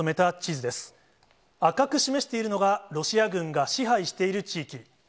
赤く示しているのがロシア軍が支配している地域。